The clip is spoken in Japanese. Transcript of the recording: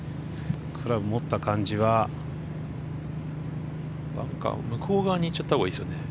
クラブ持った感じはバンカーの向こう側に行っちゃったほうがいいですよね